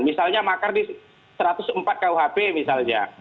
misalnya makar di satu ratus empat kuhp misalnya